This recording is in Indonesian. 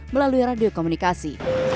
melalui radio komunikasi